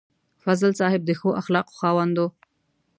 فضل صاحب د ښو اخلاقو خاوند و.